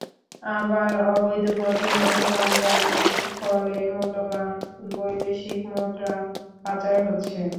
আবার অবৈধ পথে মাদক আমদানির ফলে মূল্যবান বৈদেশিক মুদ্রা পাচার হচ্ছে।